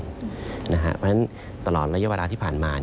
เพราะฉะนั้นตลอดระยะเวลาที่ผ่านมา